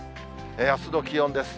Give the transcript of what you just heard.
あすの気温です。